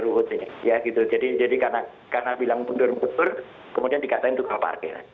ruhut ya gitu jadi karena bilang mundur mundur kemudian dikatakan tukang parkir